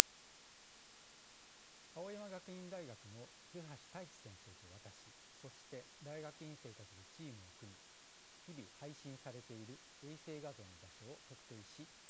青山学院大学の古橋大地先生と私そして大学院生たちでチームを組み日々配信されている衛星画像の場所を特定し公開し続けています。